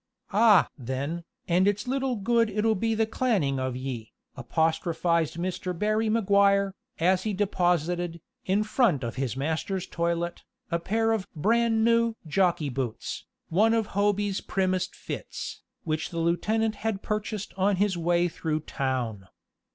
"Ah! then, and it's little good it'll be the claning of ye," apostrophized Mr. Barney Maguire, as he deposited, in front of his master's toilet, a pair of "bran new" jockey boots, one of Hoby's primest fits, which the lieutenant had purchased in his way through town.